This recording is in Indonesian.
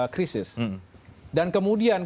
krisis dan kemudian